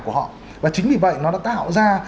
của họ và chính vì vậy nó đã tạo ra